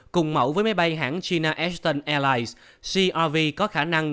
cùng mẫu với máy bay hãng china eston airlines crv có khả năng